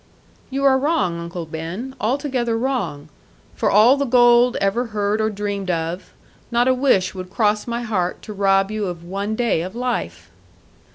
'You are wrong, Uncle Ben; altogether wrong. For all the gold ever heard or dreamed of, not a wish would cross my heart to rob you of one day of life.'